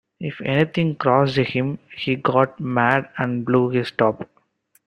If anything crossed him, he got mad and blew his top.